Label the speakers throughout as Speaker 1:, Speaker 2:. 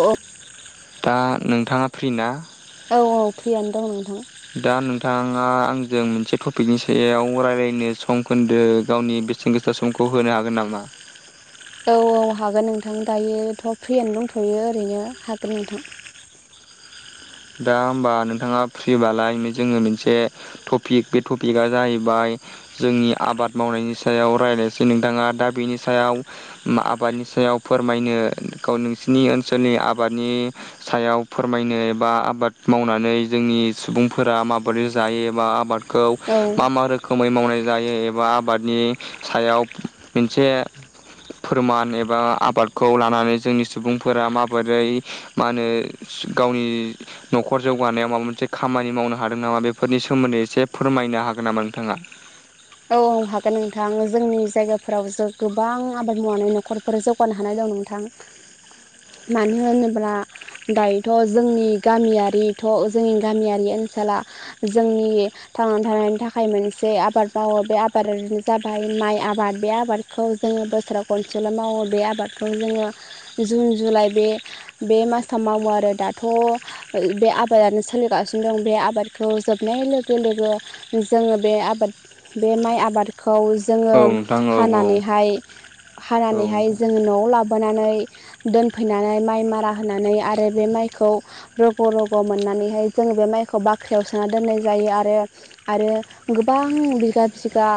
Speaker 1: औ
Speaker 2: दा नोंथांङा फ्रि ना?
Speaker 1: औ औ फ्रियानो दं नोंथां
Speaker 2: दा नोंथांङा आंजों मोनसे टपिकनि सायाव रायज्लायनो सम खोन्दो गावनि बे बेसेनगोसा समखौ होनो हागोन नामा
Speaker 1: औ औ हागोन नोंथां दायोथ' फ्रियनो दंथ'यो ओरैनो हागोन नोंथां
Speaker 2: दा होमबा नोंथांङा फ्रिबालाय जोंङो मोनसे टपिक बे टपिकआ जाहैबाय जोंनि आबाद मावनायनि सायाव रायज्लायसै नोंथांङा दा बेनि सायाव आबादनि सायाव फोरमायनो नोंसिनि ओनसोलनि आबादनि सायाव फोरमायनो बा आबाद मावनानै जोंनि सुबुंफोरा माबोरै जायोबा आबाद खौ
Speaker 1: औ
Speaker 2: मा मा रोखोम खोमै मावनाय जायो एबा आबादनि सायाव मोनसे फोरमान एबा आबादखौ लानानै जोंनि सुबुंफोरा माबोरै मा होनो गावनि न'खर जौगानायाव माबा मोनसे खामानि मावनो हादों नामा बेफोरनि सोमोन्दै एसे फोरमायनो हागोन नामा नोंथांङा?
Speaker 1: औ औ हागोन नोंथां जोंनि जायगाफोराव जो गोबां आबाद मावनानै न'खर ओ जौगानो हानाय दं नोंथां
Speaker 2: [inaudible]
Speaker 1: मानो होनोब्ला दायोथ' जोंनि गामियारिथ' जोंनि गामियारि ओनसोला जोंनि थांनानै थानायनि थाखाय मोनसे आबाद मावो बे आबादनो जाबाय माइ आबाद बे आबादखौ जोंङो बोसोराव खनसेल' मावो बे आबाद जोंङो जुन जुलाइ बे बे मासाव मावो आरो दाथ' बे आबादानो सोलिगासिनो दं बे आबादखौ जोबनाय लोगो लोगो जोंङो बे आबाद बे माइ आबादखौ जोंङो
Speaker 2: औ नोंथां औ औ
Speaker 1: हानानैहाय
Speaker 2: औ
Speaker 1: हानानैहाय
Speaker 2: नोंथां
Speaker 1: जोंङो न'आव लाबोनानै दोनफैनानै माइ मारा होनानै आरो बे माइखौ रग' रग' मोननानैहाय जों बे माइखौ बाख्रियाव सोना दोननाय जायो आरो आरो गोबां बिगा बिगा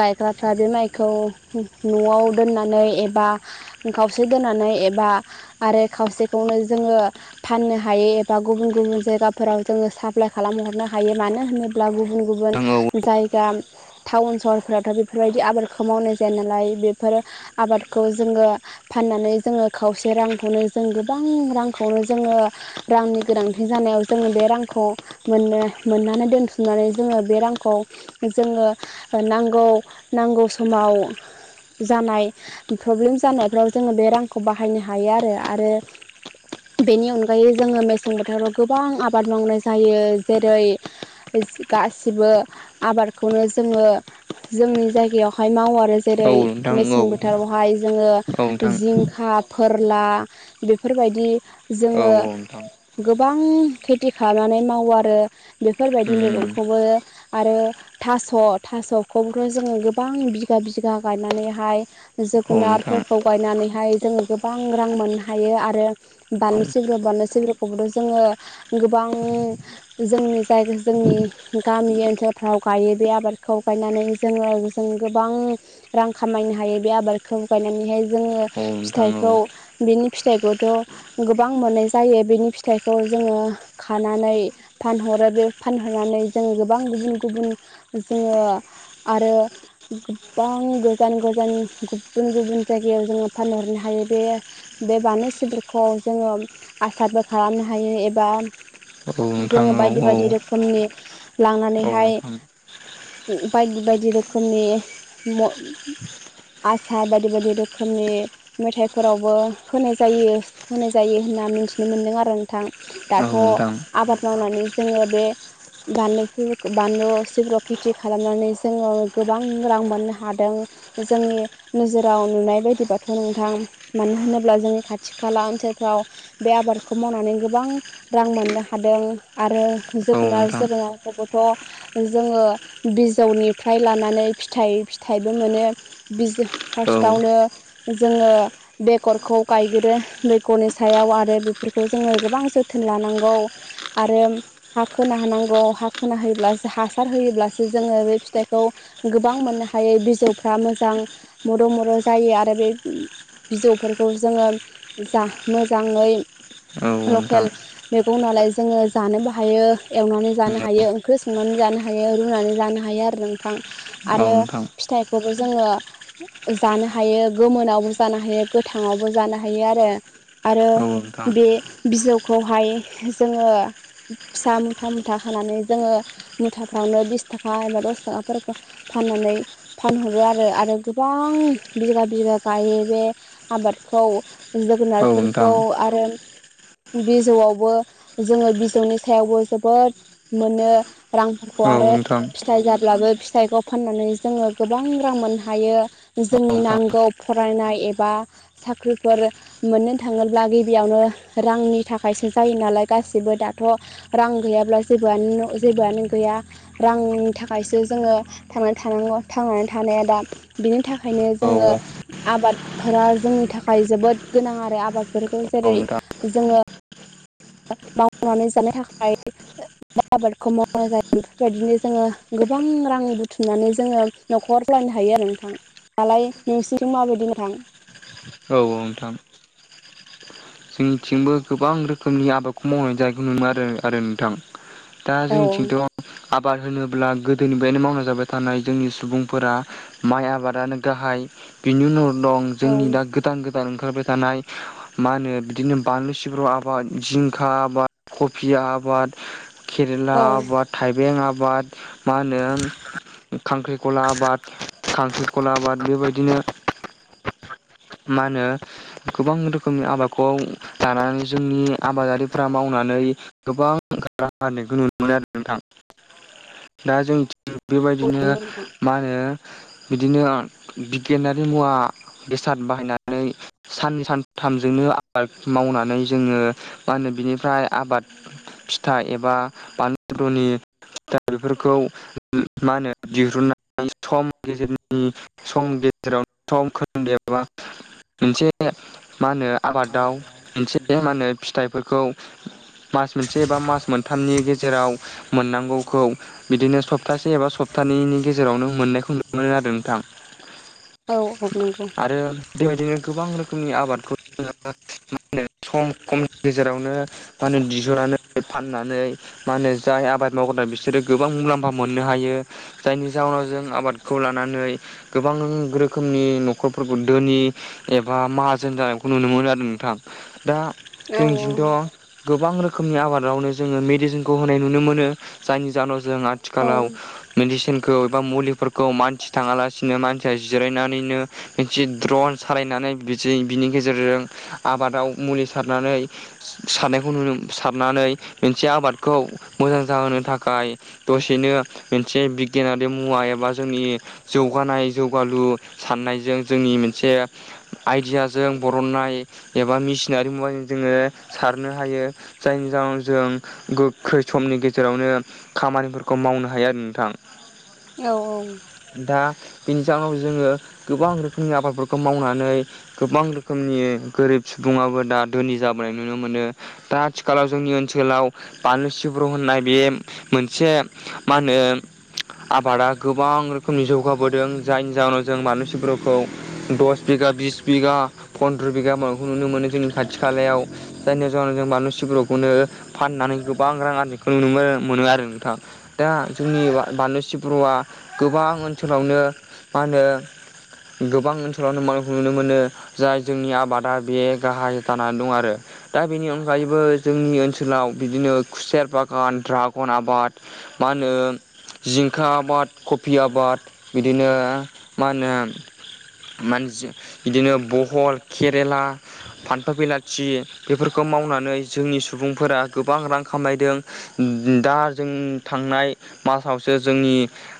Speaker 1: गायग्राफ्रा बे माइखौ न'आव दोननानै एबा खावसे दोननानै एबा आरो खावसेखौनो जोंङो फाननो हायो एबा गुबुन गुबुन जायगाफोराव जोङो साप्लााय खालामहरनो हायो मानो होनोब्ला गुबुन गुबुन
Speaker 2: औ औ
Speaker 1: जाय दा टाउन सहरफोरावथ' बेफोरबायदि आबादखौ मावनाय जाया नालाय बेफोरो आबादखौ जोंङो फाननानै जोंङो खावसे रांखौनो जों गोबां रांखौनो जोंङो रांनि गोनांथि जानायाव जोंङो बे रांखौ मोननो मोननानै दोनथुमनानै जोंङो बे रांखौ जोंङो नांगौ नांगौ समाव जानाय प्रब्लेम जानायफ्राव जोंङो बे रांखौ बाहायनो हायो आरो आरो बेनि अनगायै जोंङो मेसें बोथोराव गोबां आबाद मावनाय जायो जेरै गासिबो आबादखौनो जोंङो जोंनि जायगायावहाय मावो आरो
Speaker 2: नोंथां औ
Speaker 1: जेरै
Speaker 2: औ नोंथां औ औ
Speaker 1: मेसें बोथोरावहाय जोंङो
Speaker 2: नोंथां
Speaker 1: जिंखा, फोरला बेफोरबायदि
Speaker 2: उम
Speaker 1: जोंङो गोबां खेथि खालामनानै मावो आरो बेफोरबायदि मैगंखौबो आरो थास' थास'खौथ' जोंङो गोबां बिगा बिगा गायनानैहाय
Speaker 2: औ नोंथां
Speaker 1: जोगोनारफोरखौ गायनानैहाय जोंङो गोबां रां मोननो हायो आरो बानलु सग्र बानलु सग्रराखौबोथ' जोंङो गोबां जोंनि जायगा जोंनि गामि ओनसोल गायो बे आबादखौ गायनानै जोंङो जों गोबां रां खामायनो हायो बे आबादखौ गायनानैहाय जोंङो
Speaker 2: औ नोंथां।
Speaker 1: औ बिनि फिथाइखौथ' गोबां मोननाय जायो बिनि फिथाइखौ जोङो खानानै फानहरो बे फानहरनानै जोङो गोबां गुबुन गुबुन जोङो आरो गोबां गोजान गोजान गुबुन गुबुन जायगायाव जोङो फानहरनो हायो बे बे बानलु सिबखौ जोङो आसारबो खालामनो हायो एबा
Speaker 2: औ
Speaker 1: जोङो बायदि बायदि रोखोमनि लांनानैहाय बायदि बायदि रोखोमनि म आसार बायदि बायदि रोखोमनि मेथाइफोरावबो होनाय जायो होनाय जायो होनना मिथिनो मोन्दों आरो नोंथां। दाथ' आबाद मावनानै जोङो बे बानलु बानलु सिब्रु खेथि खालामनानै जोङो गोबां रां मोननो हादों। जोंनि नोजोराव नुनाय बायदिबाथ' नोंथां। मानो होनोब्ला जोंनि खाथि खाला ओनसोलफ्राव बे आबादखौ मावनानै गोबां रां मोननो हादों आरो जोगोनार जोगोनारखौबोथ' जोङो बिजौनिफ्राय लानानै फिथाइ फिथाइबो मोनो। फार्स्टआवनो जोङो बेगरखौ गायग्रो मैग्यनि सायाव आरो बेफोरखौ जोङो गोबां जोथोन लानांगौ। आरो हा खोना हानांगौ हा खोना होयोब्ला हासार होयोब्लासो जोङो बे फिथाइखौ गोबां मोननो हायो बिजौफ्रा मोजां मर' मर' जायो आरो बे बिजौफोरखौ जोङो जा मोजाङै लकेल मैगं नालाय जोङो जानोबो हायो एवनानै जानो हायो ओंख्रि संनानै जानो हायो रुनानै जानो हायो आरो ओंखां आरो फिथाइखौबो जोङो जानो हायो गोमोनावबो जानो हायो गोथाङावबो जानो हायो आरो आरो बे बिजौखौहाय जोङो फिसा मुथा मुथा खानानै जोङो मुथाफ्रावनो बिस थाखा एबा दस थाखाफोरखौ फाननानै फानहरो आरो आरो गोबां बिगा बिगा गायो बे आबादखौ जोगोनारफोरखौ आरो बिजौआवबो जोङो बिजौनि सायावबो जोबोद मोनो। रांफोरखौ आरो
Speaker 2: नोंथां औ
Speaker 1: फिथाइ जाब्लाबो फिथाइखौ फाननानै जोङो गोबां रां मोननो हायो। जोंनि
Speaker 2: नोंथां
Speaker 1: नांगौ फरायनाय एबा साख्रिफोर मोननो थाङोब्ला गिबियावनो रांनि थाखायसो जायो नालाय गासिबो दाथ' रां गैयाब्ला जेबोआनो जेबोआनो गैया। रांनि थाखायसो जोङो थांनानै थानांगौ थांनानै थानाया दायो बिनि थाखायनो
Speaker 2: औ
Speaker 1: जोङो। आबादफोरा जोंनि थाखाय जोबोद गोनां आरो आबादफोरखौ जेरै
Speaker 2: नोंथां
Speaker 1: जोङो। मावनानै जानो थाखाय [unintelligible] आबादखौ मावनाय जायो बेफोरबायदिनो जोङो गोबां रां बुथुमनानै जोङो न'खरयानो हायो आरो नोंथां नालाय नोंसोरजों माबादि नोंथां [unintelligible]
Speaker 2: औ औ नोंथां। जोंनिथिंबो गोबां रोखोमनि आबादखौ मावनाय जानायखौ नुयो आरो आरो नोंथां। दा जोंनिथिंथ'
Speaker 1: औ
Speaker 2: आबाद होनोब्ला गोदोनिफ्रायनो मावना जाबाय थानाय जोंनि सुबुंफोरा माइ आबादानो गाहाय बिनि उनाव दं
Speaker 1: औ
Speaker 2: जोंनि दा गोदान गोदान ओंखारबाय थानाय मा होनोमो बिदिनो बानलु, सिफ्राव आबाद, जिंखा आबाद, कबि आबाद केरेला
Speaker 1: औ
Speaker 2: आबाद, थाइबें आबाद मा होनो खांख्रिखला आबाद खांख्रिखला आबाद बेबादिनो मा होनो गोबां रोखोमनि आबादखौ लानानै जोंनि आबादारिफ्रा मावनानै गोबां राहा [unintelligible] बेबायदिनो
Speaker 1: नंगौ नोंथां
Speaker 2: मा होनो बिदिनो [unintelligible] बिगियानारि मुवा साट बाहायनानै साननै सानथामजोंनो आबाद मावनानै जोङो मा होनो बिनिफ्राय आबाद। फिथा एबा बानलुनि दा बेफोरखौ मा होनो दिरुनानै सम गेजेरनि समनि गेजेरावनो सम खोन्दो एबा मोनसे मा होनो आबादाव मोनसे मा होनोमो फिथाइफोरखौ मास मोनसे एबा मास मोनथामनि गेजेराव मोननांगौखौ। बिदिनो सप्तासे एबा सप्तानैनि गेजेरावनो मोननायखौ नुनो मोनो आरो नोंथां।
Speaker 1: औ औ नोंगौ
Speaker 2: आरो बेबायदिनो गोबां रोखोमनि आबादखौ जोङो मा होनो खम समनि गेजेरावनो मा होनो दिहुनानै फाननानै मा होनो जाय आबाद मावग्रा बिसोरो गोबां मुलाम्फा मोननो हायो। जायनि जाहोनाव जों आबादखौ लानानै गोबां रोखोमनि न'खर खरफोरखौ धोनि एबा माजोन जानायखौ नुनो मोनो आरो नोंथां दा जोंनिथिं थ' गोबां रोखोमनि आबादावनो जोङो मेडिसिनखौ होनाय नुनो मोनो जायनि जाहोनाव जों आथिखालाव मेडिसिनखौ एबा मुलिफोरखौ मानसि थाङालासिनो मानसिया जिरायनानैनो मोनसे द्रन सालायनानै बिदि बिनि गेजेरजों आबादाव मुलि सारनानै सारनायखौ नुनो सारनानै मोनसे आबादखौ मोजां जाहोनो थाखाय दसेनो मोनसे बिगियानारि मुवा एबा जोंनि जौगानाय जौगालु साननायजों जोंनि मोनसे आइदियाजों बर'ननाय एबा मिसिनारि मुजों जोङो सारनो हायो। जायनि जाहोनाव जों गोख्रै समनि गेजेरावनो खामानिफोरखौ मावनो हायो आरो नोंथां ना।
Speaker 1: औ औ।
Speaker 2: ओ दा बेनि जउोनाव जोङो गोबां रोखोमनि आबादफोरखौ मावनानै गोबां रोखोमनि गोरिब सुबुङाबो दा धोनि जाबोनाय नुनो मोनो ओ दा आथिखालाव जोंनि ओनसोलाव बानलु सिब्र' होननाय बे मोनसे मा होनो आबादा गोबां रोखोमनि जौगाबोदों जायनि जाहोनाव जों बानलु सिब्रखौ दस बिगा बिस बिगा फन्द्र' बिगा माबाखौ नुनो मोनो जोंनि खाथि खालायाव जायनि जाहोनाव जों बानलु सिब्रुखौनो फाननानै गोबां रां आरनजिखौ नुनो मोनो आरो नोंथां दा जोंनि बानलु सिब्र'आ गोबां ओनसोलावनो मा होनो गोबां ओनसोलावनो मावनायखौ नुनो मोनो जाय जोंनि आबादा बे गाहाय जानानै दं आरो दा बेनि अनगायैबो जोंनि ओनसोलाव बिदिनो खुसेर बागान ड्रागन आबाद मा होनो जिंखा आबाद कफि आबाद बिदिनो मा होनो मान जों इदिनो बहल केरेला फानथाव बिलाथि बेफोरखौ मावनानै जोंनि सुबुंफोरा गोबां रां खामायदों दा जों थांनाय मासावसो जोंनि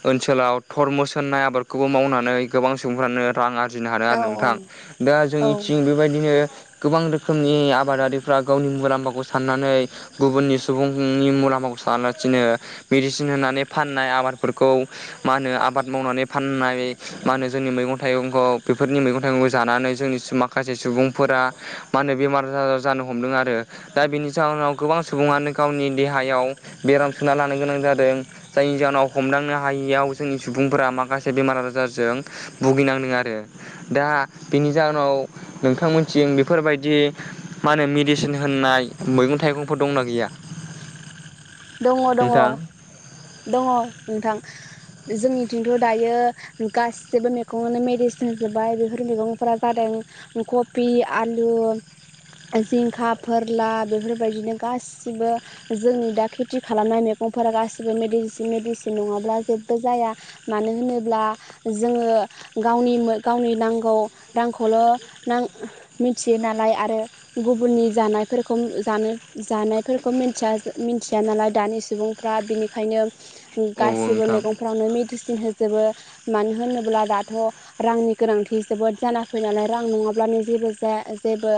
Speaker 2: ओनसोलाव थरमुस होननाय आबादखौबो मावनानै गोबां सुबुंफ्रानो रां आरजिनो हादों आरो
Speaker 1: औ
Speaker 2: नोंथां दा
Speaker 1: औ
Speaker 2: जोंनिथिं बेबायदिनो गोबां रोखोमनि आबादारिफ्रा गावनि मुलामफाखौ साननानै गुबुननि सुबुंनि मुलामफाखौ सानालासिनो मेडिसिन होनानै फाननाय आबादफोरखौ मा होनो आबाद मावनानै फाननाय मा होनो जोंनि मैगं थाइगंखौ बेफोरनि मैगं थाइगंखौ जानानै जोंनि माखासे सुबुंफोरा मा होनो बेमार आजार जानो हमदों आरो दा बेनि जाहोनाव गोबां सुबुङानो गावनि देहायाव बेराम सोना लानो गोनां जादों जायनि जाहोनाव हमदांनो हायियाव जोंनि सुबुंफोरा माखासे बेमार आजारजों भुगिनांदों आरो दा बेनि जाउनाव नोंथांमोनथिं बेफोरबायदि मा होनो मेडिसिन होननाय मैगं थाइगंफोर दंना गैया?
Speaker 1: दङ दङ
Speaker 2: नोंथां
Speaker 1: दङ नोंथां जोंनिथिंथ' दायो गासैबो मैगङावनो मेडिसिन होजोब्बाय बेफोर मैगंफोरा जादों कफि आलु जिंखा फोरला बेफोरबायदिनो गासिबो जोंनि दा खेथि खालामनाय मैगंफोरा गासिबो मेडिसिन मेडिसिन नङाब्ला जेबो जाया मानो होनोब्ला जोङो गावनि गावनि नांगौ रांखौल' नां मिथियो नालाय आरो गुबुननि जानायफोरखौ जानो जानाय फोरखौ मोनथिया मोनथि - थिया नालाय दानि सुबुंफ्रा बिनिखायनो
Speaker 2: औ औ
Speaker 1: गासिबो
Speaker 2: नोंथां
Speaker 1: मेगंफ्रावनो मेडिसिन होजोबो मानो होनोब्ला दाथ' रांनि गोनांथि जोबोद जाना फैयो नालाय रां नङाब्लानो जेबो जाया जेबो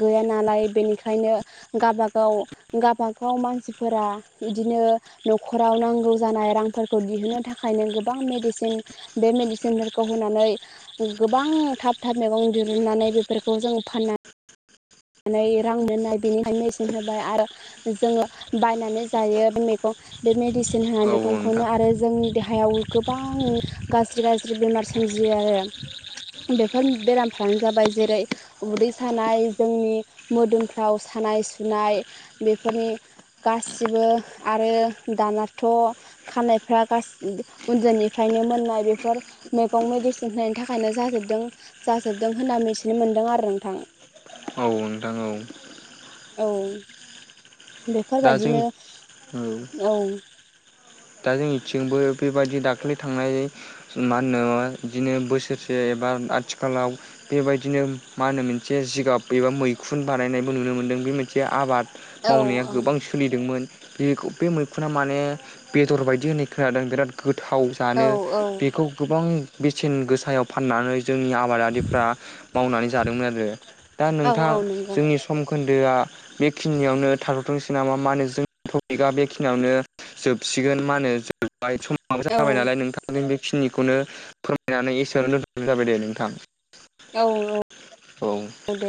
Speaker 1: गैया नालाय बेनिखायनो गाबागाव गाबागाव मानसिफोर फोरा बिदिनो न'खराव नांगौ जानाय रांफोरखौ दिहुननो थाखायनो गोबां मेडिसि सिन बे मेडिसिनफोरखौ होनानै गोबां थाब थाब मैगं दिरुननानै बेफोरखौ जों फाननानै नै रां मोननाय बेनिखायनो मेसेन होबाय आरो जोङो बायनानै जायो मैगं बे मेडिसिन होनाय
Speaker 2: औ औ नोंथां
Speaker 1: मैगंखौनो आरो जोंनि देहायाव गोबां गाज्रि गाज्रि बेमार सोमजियो आरो बेफोर बेरामफ्रानो जाबाय जेरै उदै सानाय जोंनि मोदोमफ्राव सानाय सुनाय बेफोरनि गासिबो आरो दानाथ' खानायफ्रा गासै उनदैनिफ्रायनो मोननाय बेफोर मैगं मेडिसिन होनायनि थाखायनो जाजोबदों जाजोबदों होनना मिथिनो मोनदों आरो नोंथां
Speaker 2: औ नोंथां औ
Speaker 1: औ
Speaker 2: दा जों
Speaker 1: बेफोरबायदिनो औ
Speaker 2: दा जोंनिथिंबो बेबायदि दाख्लै थांनाय मा होनो बिदिनो बोसोरसे एबा आथिखालाव बेबायदिनो मा होनो मोनसे जिगाब एबा मैखुन बानायनायबो नुनो मोनदों बे मोनसे आबाद
Speaker 1: औ
Speaker 2: मावनाया गोबां सोलिदोंमोन बेखौ बे मैखुना माने बेदर बायदि होननाय खोनादों बिराद गोथाव
Speaker 1: औ
Speaker 2: जानो बेखौ गोबां बेसेन गोसायाव फाननानै जोंनि आब आबादारिफ्रा मावनानै जादोंमोन आरो दा
Speaker 1: औ
Speaker 2: नोंथां
Speaker 1: औ नंगौ
Speaker 2: जोंनि सम खोन्दोआ बेखिनियावनो था थोंसै नामा होनो जोंनि थपिका बेखिनियावनो जोबसिगोन मा होनो समाबो
Speaker 1: औ
Speaker 2: जाबाय नालाय नोंथां जों बेखिनिखौनो फोरमायनानै एसेआवनो दोनथ'नाय जाबाय दे नोंथां
Speaker 1: औ औ औ दे